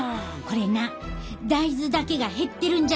これな大豆だけが減ってるんじゃないねん。